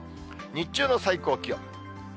日中の最高気温。